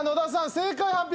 正解発表